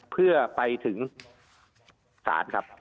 เพื่อไปถึงศาลครับ